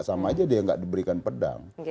sama aja dia nggak diberikan pedang